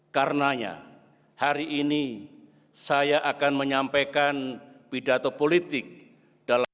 karena hari ini saya akan menyampaikan pidato politik dalam